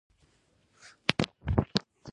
حمدالله د پيرمحمد کاکړ د ېوان چاپ کړی دﺉ.